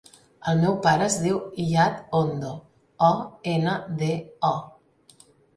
El meu pare es diu Iyad Ondo: o, ena, de, o.